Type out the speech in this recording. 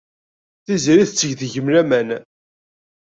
Tiziri tetteg deg-m laman.